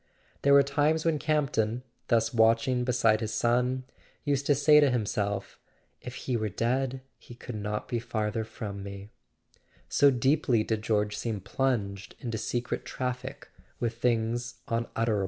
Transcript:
There were times when Campton, thus watching beside his son, used to say to himself: "If he w T ere dead he could not be farther from me"—so deeply did George seem plunged in secret traffic with things unutterable.